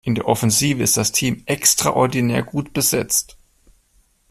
In der Offensive ist das Team extraordinär gut besetzt.